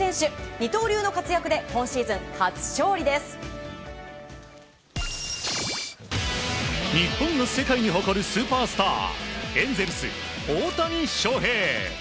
二刀流の活躍で日本が世界に誇るスーパースターエンゼルス、大谷翔平。